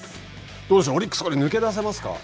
どうでしょう、オリックス抜け出せますか。